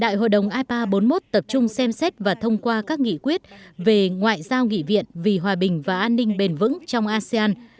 đại hội đồng ipa bốn mươi một tập trung xem xét và thông qua các nghị quyết về ngoại giao nghị viện vì hòa bình và an ninh bền vững trong asean